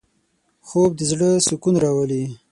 خوب د زړه سکون راولي